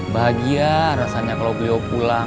bahagia rasanya kalau beliau pulang